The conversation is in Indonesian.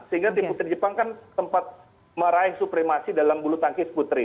sehingga tim putri jepang kan tempat meraih supremasi dalam bulu tangkis putri